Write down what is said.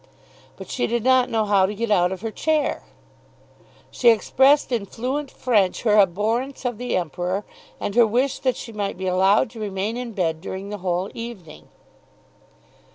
But she did not know how to get out of her chair. She expressed in fluent French her abhorrence of the Emperor, and her wish that she might be allowed to remain in bed during the whole evening.